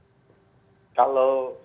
kalau saya melihatnya